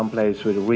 mereka semakin muda